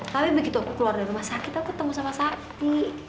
tapi begitu keluar dari rumah sakit aku ketemu sama sapi